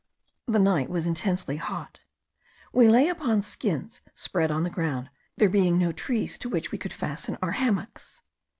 The night was intensely hot. We lay upon skins spread on the ground, there being no trees to which we could fasten our hammocks.